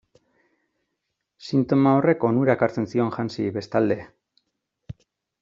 Sintoma horrek onura ekartzen zion Hansi, bestalde.